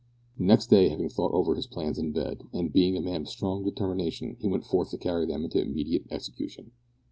Next day, having thought over his plans in bed, and, being a man of strong determination, he went forth to carry them into immediate execution.